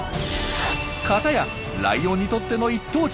かたやライオンにとっての一等地！